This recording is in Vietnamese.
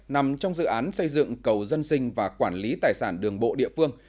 nằm trong dự án xây dựng cầu dân sinh và quản lý tài sản đường bộ địa phương